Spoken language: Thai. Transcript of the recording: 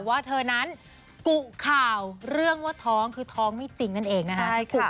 ว่าเธอนั้นกุข่าวเรื่องว่าท้องคือท้องไม่จริงนั่นเองนะคะ